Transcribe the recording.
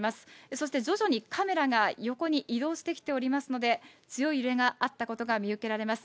そして徐々にカメラが横に移動してきておりますので、強い揺れがあったことが見受けられます。